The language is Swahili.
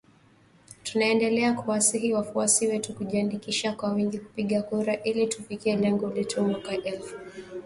Tunaendelea kuwasihi wafuasi wetu kujiandikisha kwa wingi kupiga kura ili tufikie lengo letu, mwaka elfu mbili na ishirini na tatu ushindi wa kishindo!!